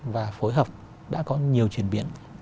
và phối hợp đã có nhiều chuyển biến